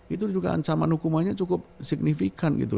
itu juga ancaman hukumannya cukup signifikan gitu